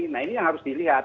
nah ini yang harus dilihat